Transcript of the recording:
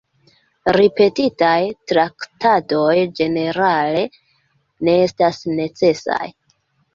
Ripetitaj traktadoj ĝenerale ne estas necesaj.